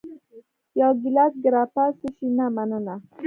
یو ګېلاس ګراپا څښې؟ نه، مننه.